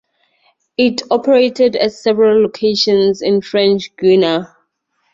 It operated at several locations in French Guiana.